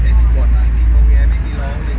แต่มีบ่อนไหล่มีโมงแยะไม่มีร้องอะไรแบบนี้